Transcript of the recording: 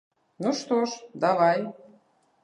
Ну, што ж, давай!